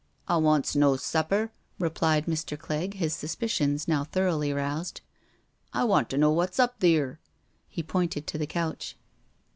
" I wants no supper," replied Mr. Clegg, his sus picions now thoroughly roused. " I want to know wot's up theer?" He pointed to the couch.